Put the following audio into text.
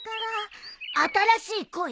「新しい恋」！？